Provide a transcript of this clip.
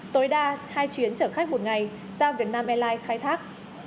tối đa hai chuyến chở khách một ngày do việt nam airlines khai thác